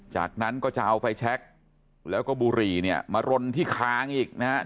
จากนั้นก็จะเอาไฟแช็คแล้วก็บุหรี่เนี่ยมารนที่คางอีกนะครับ